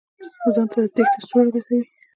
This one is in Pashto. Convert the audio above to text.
ځان ته د تېښتې سوړه لټوي.